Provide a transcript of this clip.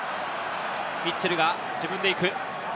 ミッチェルが自分で行く。